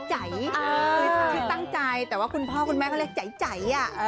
คือที่ตั้งใจแต่ว่าคุณพ่อคุณแม่ก็เรียกใจ